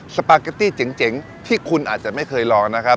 สปาเกตตี้เจ๋งที่คุณอาจจะไม่เคยลองนะครับ